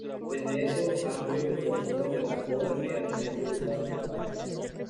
Desde eso, amplios depósitos de carbón inmediatamente ocuparon el parque.